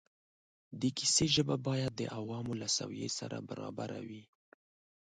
د کیسې ژبه باید د عوامو له سویې سره برابره وي.